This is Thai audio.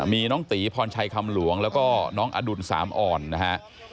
มีน้องตีพรชัยคำหลวงแล้วก็น้องอดุลสามอ่อนนะฮะ